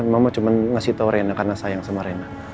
mama cuma ngasih tau rena karena sayang sama rena